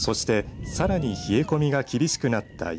そして、さらに冷え込みが厳しくなった